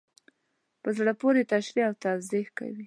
په زړه پوري تشریح او توضیح کوي.